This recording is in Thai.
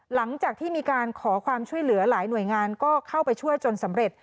หลังจากที่มีการขอความช่วยเหลือหลายหน่วยงานก็เข้าไปช่วยจนสำเร็จ